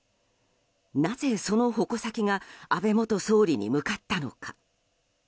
なぜ、その矛先が安倍元総理に向かったのか。